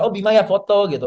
oh bima ya foto gitu